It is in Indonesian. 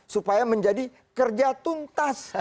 supaya menjadi kerja tuntas